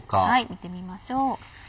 見てみましょう。